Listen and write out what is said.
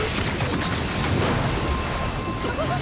あっ！